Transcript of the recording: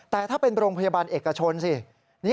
แต่ถ้าเป็นโรงพยาบาลเอกชนสิ